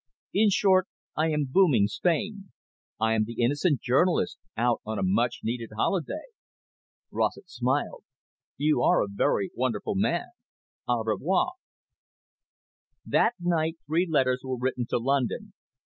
In short, I am `booming' Spain. I am the innocent journalist, out on a much needed holiday." Rossett smiled. "You are a very wonderful man. Au revoir." That night three letters were written to London.